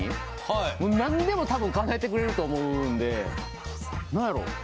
はいもう何でも多分かなえてくれると思うんで何やろ？